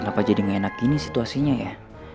kenapa jadi ngenak gini situasinya ya